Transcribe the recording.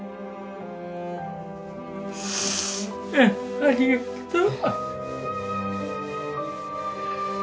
ありがとう。